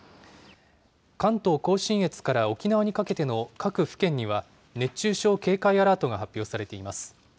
関東甲信越から沖縄にかけての各府県には、熱中症警戒アラートが発表されています。